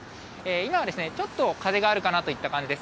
今はちょっと風があるかなといった感じです。